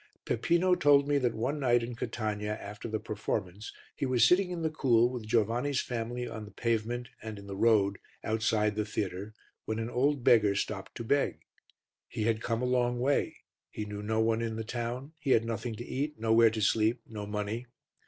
Peppino told me that one night in Catania, after the performance, he was sitting in the cool with Giovanni's family on the pavement and in the road, outside the theatre, when an old beggar stopped to beg. He had come a long way, he knew no one in the town, he had nothing to eat, nowhere to sleep, no money.